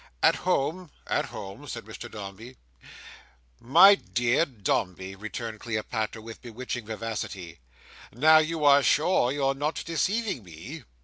"At home?" "At home," said Mr Dombey. "My dear Dombey," returned Cleopatra, with bewitching vivacity; "now are you sure you are not deceiving me?